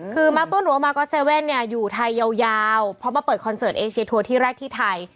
คือมาร์ต้นหรือว่ามาก็๗๑๑เนี่ยอยู่ไทยยาวเพราะมาเปิดคอนเสิร์ตเอเชียทัวร์ที่แรกที่ไทย